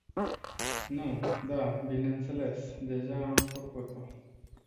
Nu, da, bineînțeles, deja am făcut-o.